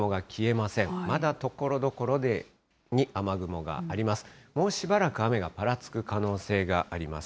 まだところどころに雨雲があります。